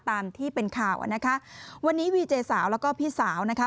ตามที่เป็นข่าวอ่ะนะคะวันนี้วีเจสาวแล้วก็พี่สาวนะคะ